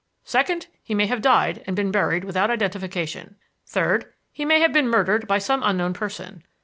Second, he may have died and been buried without identification. Third, he may have been murdered by some unknown person.